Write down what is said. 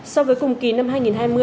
so với cùng kỳ năm hai nghìn hai mươi